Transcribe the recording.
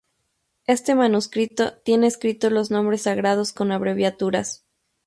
Este manuscrito tiene escritos los nombres sagrados con abreviaturas.